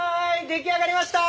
出来上がりました！